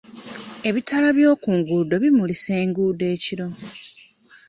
Ebitaala by'oku nguudo bimulisa enguudo ekiro